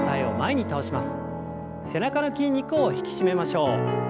背中の筋肉を引き締めましょう。